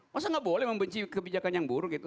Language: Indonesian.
masa nggak boleh membenci kebijakan yang buruk gitu